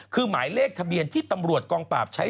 คือหมายเลขทะเบียนที่ตำรวจกองปราบใช้